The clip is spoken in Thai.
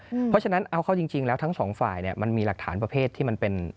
เพราะฉะนั้นเอาเข้าจริงแล้วทั้งสองฝ่ายเนี่ยมันมีหลักฐานประเภทที่มันเป็น